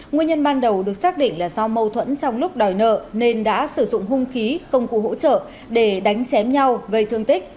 nguyên nhân ban đầu được xác định là do mâu thuẫn trong lúc đòi nợ nên đã sử dụng hung khí công cụ hỗ trợ để đánh chém nhau gây thương tích